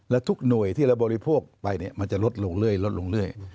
แล้วทุกหน่วยที่เราบริโภคไปเนี่ยมันจะลดลงเรื่อย